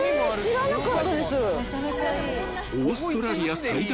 知らなかったです。